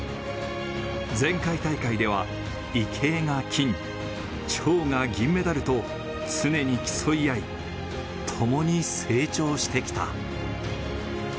前回大会では池江が金、張が銀メダルと常に競い合い、ともに成長してきた。